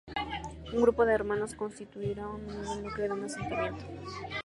Un grupo de hermanos constituirá a menudo el núcleo de un asentamiento.